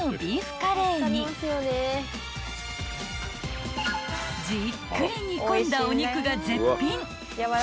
［じっくり煮込んだお肉が絶品］